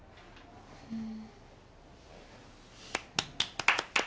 うん。